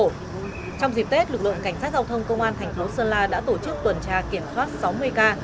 trong dịp tết lực lượng cảnh sát giao thông công an thành phố sơn la đã tổ chức tuần tra kiểm soát sáu mươi k